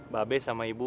babes sama ibu